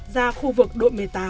ra khu vực đội một mươi tám